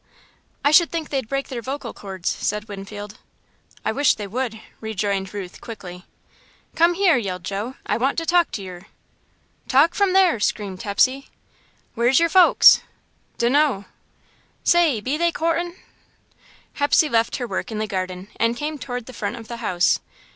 "I should think they'd break their vocal cords," said Winfield. "I wish they would," rejoined Ruth, quickly. "Come here!" yelled Joe. "I want to talk to yer." "Talk from there," screamed Hepsey. "Where's yer folks?" "D'know." "Say, be they courtin'?" Hepsey left her work in the garden and came toward the front of the house.